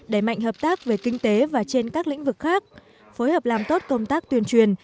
đẩy mạnh hợp tác về kinh tế và trên các lĩnh vực khác phối hợp làm tốt công tác tuyên truyền